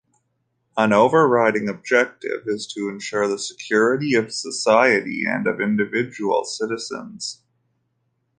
An overriding objective is to ensure the security of society and of individual citizens.